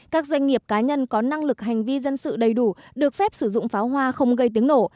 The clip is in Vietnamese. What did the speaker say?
các doanh nghiệp cá nhân có năng lực hành vi dân sự đầy đủ được phép sử dụng pháo hoa không gây tiếng nổ